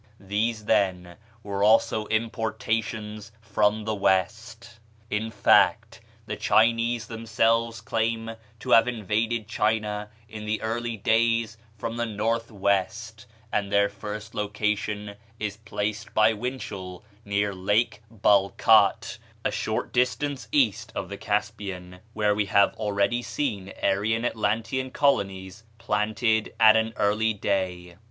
These, then, were also importations from the West. In fact, the Chinese themselves claim to have invaded China in the early days from the north west; and their first location is placed by Winchell near Lake Balkat, a short distance east of the Caspian, where we have already seen Aryan Atlantean colonies planted at an early day.